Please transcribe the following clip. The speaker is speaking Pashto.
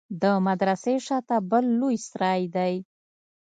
د مدرسې شا ته بل لوى سراى دى.